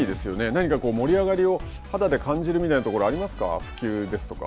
何かこう盛り上がりを肌で感じるみたいなところはありますか普及ですとか。